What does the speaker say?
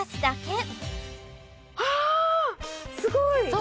すごい！